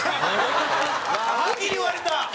はっきり言われた！